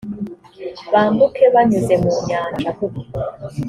bambuke banyuze mu nyanja